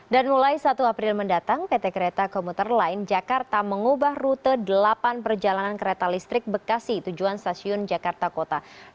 dan mulai satu april mendatang pt kereta komuter line jakarta mengubah rute delapan perjalanan kereta listrik bekasi tujuan stasiun jakarta kota